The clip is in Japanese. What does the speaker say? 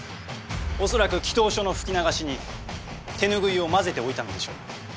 恐らく祈祷所の吹き流しに手拭いを交ぜておいたのでしょう。